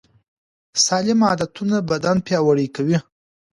سالم عادتونه بدن پیاوړی کوي.